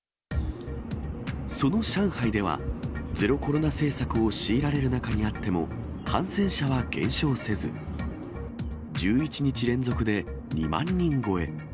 その上海では、ゼロコロナ政策を強いられる中にあっても、感染者は減少せず、１１日連続で、２万人超え。